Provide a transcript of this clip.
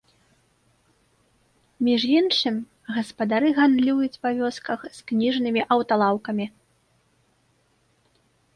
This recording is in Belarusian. Між іншым, гаспадары гандлююць па вёсках з кніжнымі аўталаўкамі.